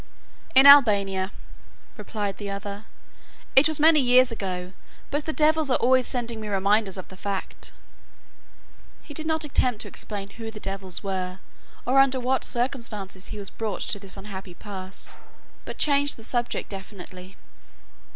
"In Albania," replied the other; "it was many years ago, but the devils are always sending me reminders of the fact." He did not attempt to explain who the devils were or under what circumstances he was brought to this unhappy pass, but changed the subject definitely.